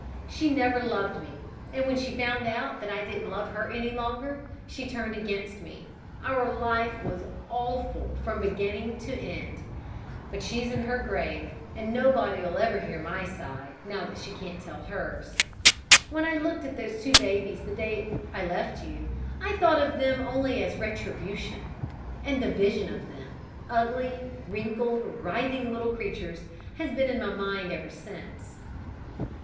She never loved me, and when she found out that I didn't love her any longer she turned against me. Our life together was awful, from beginning to end, but she's in her grave, and nobody'll ever hear my side, now that she can't tell hers. When I looked at those two babies the day I left you, I thought of them only as retribution; and the vision of them ugly, wrinkled, writhing little creatures has been in my mind ever since."